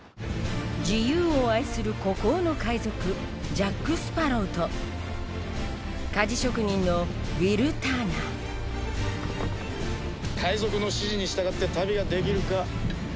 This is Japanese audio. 自由を愛する孤高の海賊ジャック・スパロウと鍛冶職人のウィル・ターナー海賊の指示に従って旅ができるか？